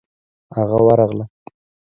هغه ورغله.